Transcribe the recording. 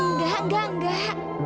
enggak enggak enggak